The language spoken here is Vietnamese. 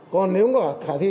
còn nếu mà khả thi